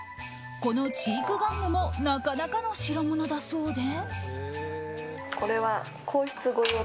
この知育玩具もなかなかの代物だそうで。